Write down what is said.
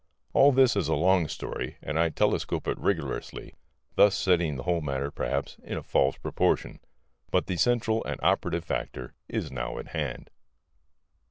All this is a long story, and I telescope it rigorously, thus setting the whole matter, perhaps, in a false proportion. But the central and operative factor is now at hand.